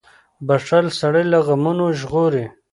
• بښل سړی له غمونو ژغوري.